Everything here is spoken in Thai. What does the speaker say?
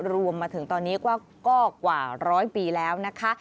รวมถึงตอนนี้ก็กว่าร้อยปีแล้วนะคะ